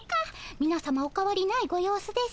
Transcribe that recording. みなさまおかわりないご様子ですが。